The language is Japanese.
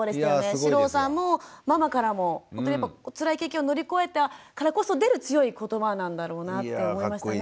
四郎さんもママからもおつらい経験を乗り越えたからこそ出る強い言葉なんだろうなって思いましたね。